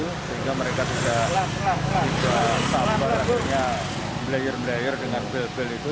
sehingga mereka tidak sabar akhirnya melayar melayar dengan bel bel itu